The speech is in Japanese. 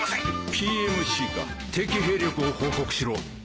ＰＭＣか敵兵力を報告しろ。